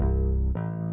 gak mau tau